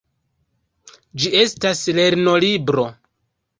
Ĝi estas lernolibro.